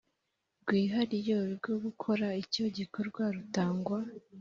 rwihariye rwo gukora icyo gikorwa rutangwa